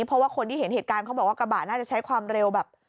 เพราะว่าคนที่เห็นเหตุการณ์เขาบอกว่ากระบะน่าจะใช้ความเร็วแบบ